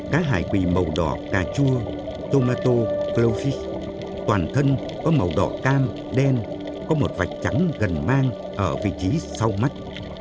cá hải quỳ màu đỏ cà chua tomato glofis toàn thân có màu đỏ cam đen có một vạch trắng gần mang ở vị trí sau mắt